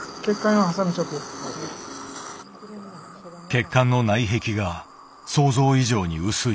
血管の内壁が想像以上に薄い。